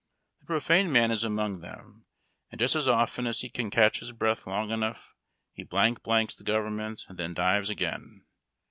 The profane man is among them, and just as often as he can catch his breath long enough he blank blanks the government and then dives again.